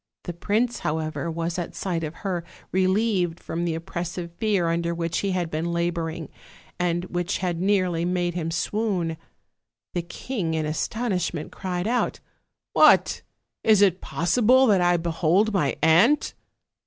The prince, however, was at sight of her relieved from the oppressive fear under which he had been labor ing, and which had nearly made him swoon. The king, in astonishment, cried out: "What! is it possible that I behold my aunt?"